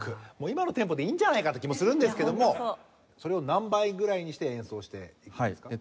今のテンポでいいんじゃないかって気もするんですけどもそれを何倍ぐらいにして演奏していくんですか？